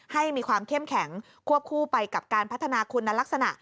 ให้มีความเข้มแข็งควบคู่ไปกับการพัฒนาคุณลักษณะ